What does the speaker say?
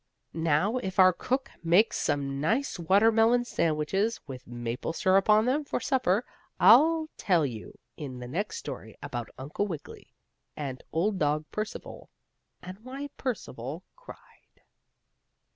Now, if our cook makes some nice watermelon sandwiches, with maple syrup on them, for supper, I'll tell you in the next story about Uncle Wiggily and old dog Percival, and why Percival cried.